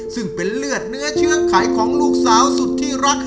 ซึ่งเป็นเลือดเนื้อเชื้อไขของลูกสาวสุดที่รัก